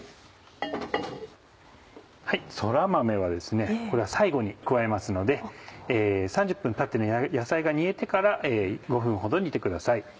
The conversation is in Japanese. そら豆は最後に加えますので３０分たって野菜が煮えてから５分ほど煮てください。